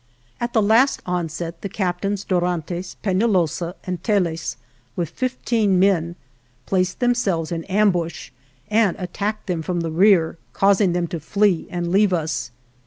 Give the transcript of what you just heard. At the last onset the Captains Dorantes, Penalosa and Tellez, with fifteen men, placed themselves in am bush and attacked them from the rear, caus ing them to flee and leave us.